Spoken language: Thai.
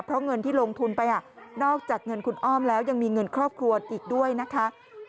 เพราะเงินที่ลงทุนไปนอกจากเงินคุณอ้อมแล้วยังมีเงินครอบครัวอีกด้วยนะคะ